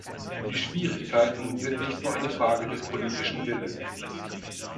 Die Schwierigkeiten sind nicht nur eine Frage des politischen Willens.